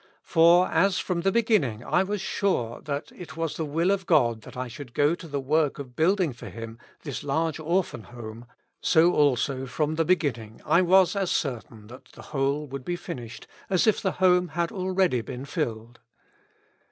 For as from the beginning T was sure it was the zvzll of God that I should go to the work of building for Him this large Orphan Home, so also from the beginning I was as certain that the 266 Notes. whole would be finished as if the Home had been already filled.